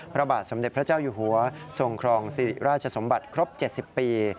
พระบาทสมเด็จพระเจ้าอยู่หัวทรงครองสิริราชสมบัติครบ๗๐ปี